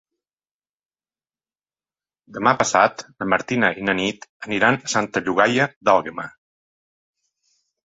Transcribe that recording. Demà passat na Martina i na Nit aniran a Santa Llogaia d'Àlguema.